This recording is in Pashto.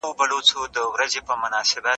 هغوی فکر کاوه چي ځمکه پر ښکر ولاړه ده.